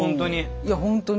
いや本当に。